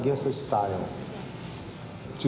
dan ada stilis